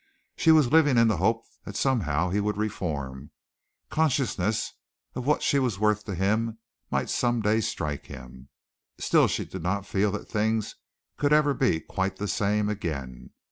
She was living in the hope that somehow he would reform. Consciousness of what she was worth to him might some day strike him. Still she did not feel that things could ever be quite the same again.